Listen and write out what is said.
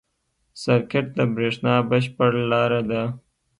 سرکټ د برېښنا بشپړ لاره ده.